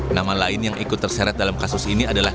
nama lain yang ikut terseret dalam kasus ini adalah